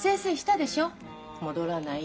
戻らない。